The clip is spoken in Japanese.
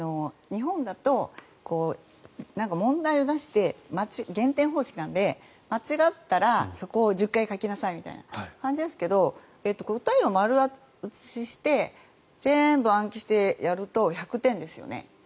日本だと問題を出して減点方式なので間違ったらそこを１０回書きなさいみたいな感じですけど答えを丸写しして全部暗記してやると１００点ですよね。